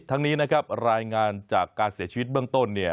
ทั้งนี้รายงานจากการเสียชีวิตเบื้องต้น